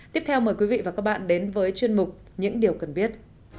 tiếp theo mời quý vị và các bạn đến với chuyên mục những điều cần biết